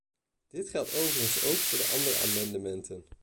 Dit geldt overigens ook voor de andere amendementen.